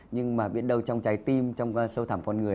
nhưng mà biết đâu trong trái tim trong sâu thảm con người